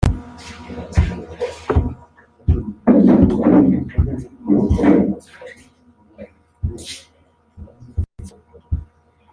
ariko iyo wahabwaga amasomo wahitaga wumva neza kugira umurongo w’ibitekerezo mu byo ushaka kurwanira